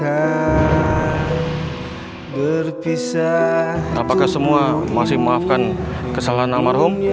apakah semua masih maafkan kesalahan almarhum